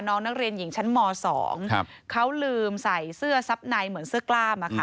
น้องนักเรียนหญิงชั้นม๒เขาลืมใส่เสื้อซับในเหมือนเสื้อกล้ามอะค่ะ